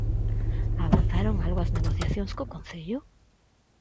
Avanzaron algo as negociacións co concello?